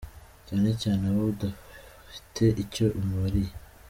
Cyane cyane abo udafite icyo umariye